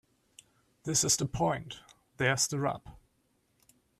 this is the point. There's the rub